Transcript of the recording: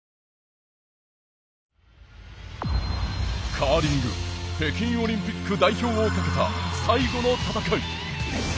カーリング北京オリンピック代表をかけた最後の戦い。